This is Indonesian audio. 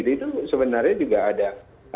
itu sebenarnya juga ada